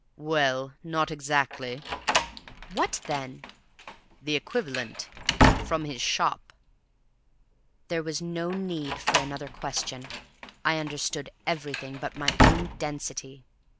"Well, not exactly." "What, then?" "The equivalent from his shop." There was no need for another question. I understood everything but my own density.